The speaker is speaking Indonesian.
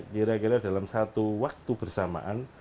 kira kira dalam satu waktu bersamaan